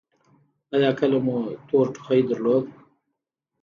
ایا کله مو تور ټوخی درلود؟